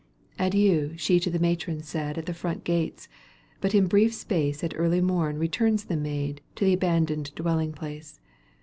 Adieu she to the matron said At the front gates, but in brief space '1 At early mom returns the maid To the abandoned dwelling place.